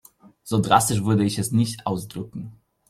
So drastisch würde ich es nicht ausdrücken.